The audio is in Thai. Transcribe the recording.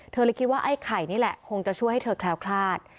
เลยคิดว่าไอ้ไข่นี่แหละคงจะช่วยให้เธอแคล้วคลาด